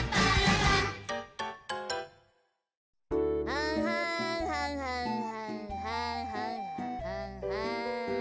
はんはんはんはんはんはんはんははんはん。